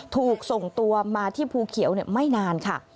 ถูกส่งตัวมาที่ภูเขียวไม่นานค่ะ